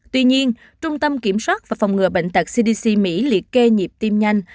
tuy nhiên trung tâm kiểm soát và phòng ngừa bệnh tật cdc mỹ liệt kê nhịp tim nhanh